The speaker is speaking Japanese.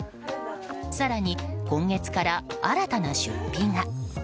更に、今月から新たな出費が。